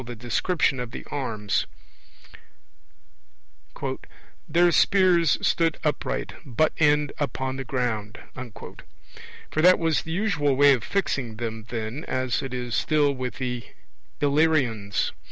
the description of the arms: 'their spears stood upright, butt end upon the ground'; for that was the usual way of fixing them then, as it is still with the Illyrians.